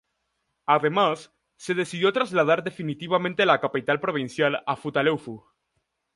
Además, se decidió trasladar definitivamente la capital provincial a Futaleufú.